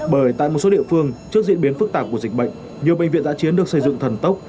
bởi tại một số địa phương trước diễn biến phức tạp của dịch bệnh nhiều bệnh viện giã chiến được xây dựng thần tốc